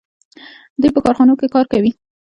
دوی په کارخانو کې کار کوي.